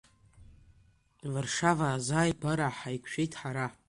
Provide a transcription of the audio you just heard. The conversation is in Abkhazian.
Варшава азааигәара ҳаиқәшәеит ҳара.